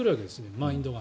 マインドが。